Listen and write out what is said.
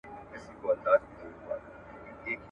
په جنگ کي حلوا نه وېشل کېږي.